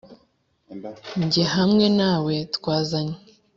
njye hamwe na we twazanye